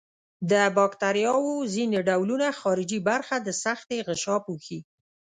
د باکتریاوو ځینې ډولونه خارجي برخه د سختې غشا پوښي.